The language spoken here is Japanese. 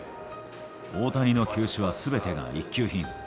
大谷の球種はすべてが一級品。